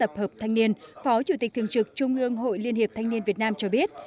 hội liên hiệp thanh niên phó chủ tịch thường trực trung ương hội liên hiệp thanh niên việt nam cho biết